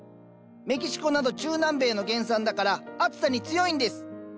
メキシコなど中南米の原産だから暑さに強いんです。